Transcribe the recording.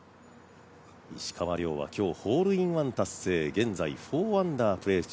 石川遼は今日、ホールインワン達成現在４アンダー、プレー中。